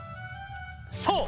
そう！